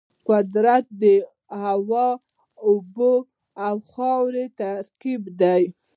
قدرت د هوا، اوبو او خاورو ترکیب دی.